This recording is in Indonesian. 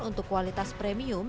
untuk kualitas premium